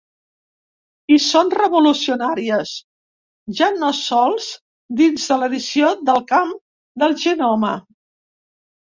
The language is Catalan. I són revolucionàries, ja no sols dins de l’edició del camp del genoma.